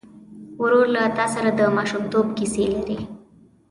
ورور له تا سره د ماشومتوب کیسې لري.